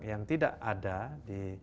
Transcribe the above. yang tidak ada di